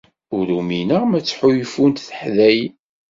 Ur umineɣ ma ttḥulfunt teḥdayin.